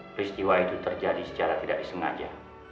peristiwa itu terjadi secara tidak disengaja